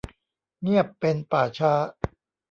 เงียบเป็นป่าช้า